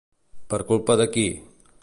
Per culpa de qui?